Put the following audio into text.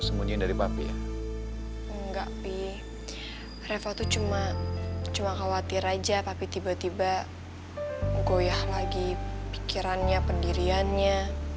sembunyi dari mami enggak pih reva tuh cuma cuma khawatir aja tapi tiba tiba goyah lagi pikirannya